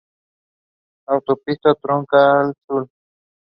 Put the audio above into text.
Autopista Troncal Sur